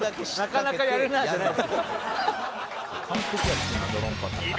「なかなかやるなぁ」じゃない。